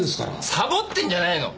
さぼってんじゃないの。